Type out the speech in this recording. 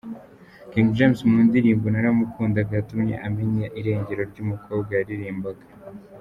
King James mu ndirimbo Naramukundaga yatumye amenya irengero ry'umukobwa yaririmbaga.